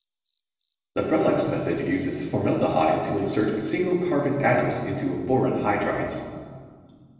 The Brellochs method uses formaldehyde to insert single carbon atoms into boron hydrides.